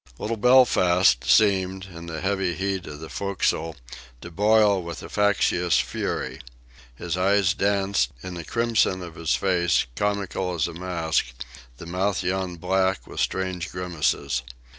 Little Belfast seemed, in the heavy heat of the forecastle, to boil with facetious fury. His eyes danced; in the crimson of his face, comical as a mask, the mouth yawned black, with strange grimaces.